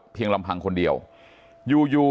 เพียงลำพังคนเดียวอยู่